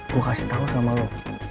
gue kasih tau sama lo